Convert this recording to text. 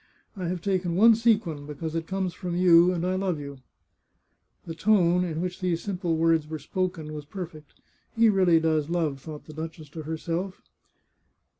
I have taken one sequin, because it comes from you, and I love you !" The tone in which these simple words were spoken was perfect. " He really does love !" thought the duchess to herself.